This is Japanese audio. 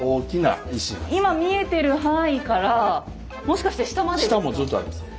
今見えてる範囲からもしかして下までですか？